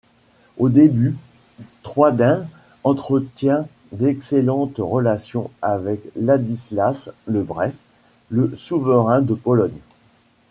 Au début, Trojden entretient d’excellentes relations avec Ladislas le Bref, le souverain de Pologne.